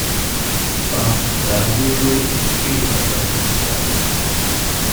ފ. ދަރަނބޫދޫ ސިއްޙީމަރުކަޒު، ޑްރައިވަރު